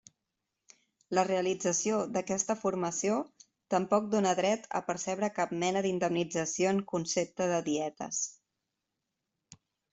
La realització d'aquesta formació tampoc dóna dret a percebre cap mena d'indemnització en concepte de dietes.